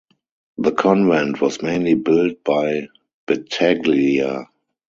The convent was mainly built by Battaglia.